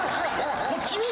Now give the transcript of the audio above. こっち見ぃ！